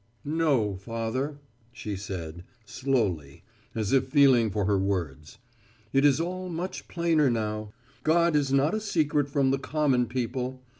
"No, Father," she said, slowly as if feeling for her words. "It is all much plainer now. God is not a secret from the common people.